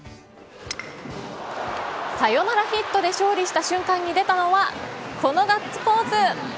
サヨナラヒットで勝利した瞬間に出たのはこのガッツポーズ！